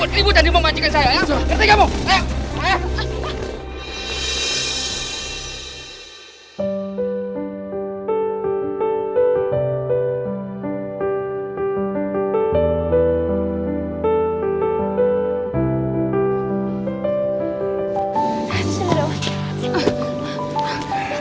aduh sedih banget